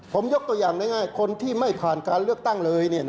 ผมยกตัวอย่างง่ายคนที่ไม่ผ่านการเลือกตั้งเลย